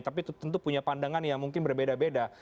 tapi tentu punya pandangan yang mungkin berbeda beda